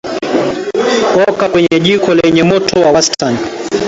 Oka kwenye jiko lenye moto wa wastani